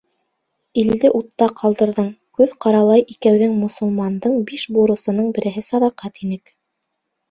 Илде утта ҡалдырҙың, Күҙ ҡаралай икәүҙең Мосолмандың биш бурысының береһе саҙаҡа тинек.